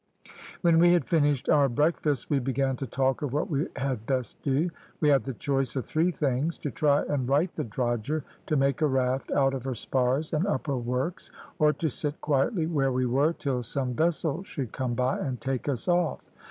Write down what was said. When we had finished our breakfasts we began to talk of what we had best do. We had the choice of three things, to try and right the drogher, to make a raft out of her spars and upper works, or to sit quietly where we were till some vessel should come by and take us off.